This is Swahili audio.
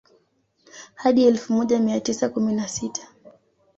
Hadi elfu moja mia tisa kumi na sita